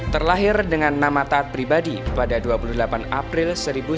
terlahir dengan nama taat pribadi pada dua puluh delapan april seribu sembilan ratus empat puluh